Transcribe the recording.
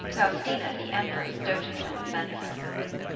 Faustina the empress doted on a fencer.